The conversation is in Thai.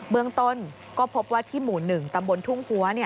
เมืองต้นก็พบว่าที่หมู่๑ตำบลทุ่งหัว